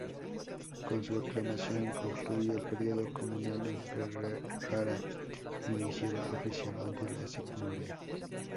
Con su aclamación concluía el período comunal en Ferrara e iniciaba oficialmente la "Signoria".